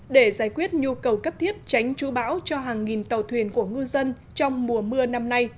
để giải quyết nhu cầu cấp thiết tránh chú bão cho hàng nghìn tàu thuyền của ngư dân trong mùa mưa năm nay